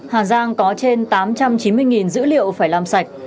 hà giang có trên tám trăm chín mươi dữ liệu phải làm sạch